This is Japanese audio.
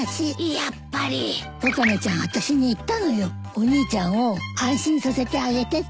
「お兄ちゃんを安心させてあげて」って。